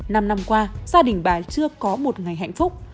năm năm qua gia đình bà chưa có một ngày hạnh phúc